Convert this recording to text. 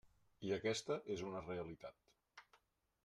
I aquesta és una realitat.